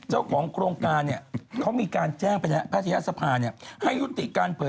ให้ยุติการเผยแพลก